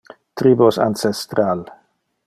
tribos ancestral.